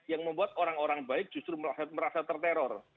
yang membuat orang orang baik justru merasa terteror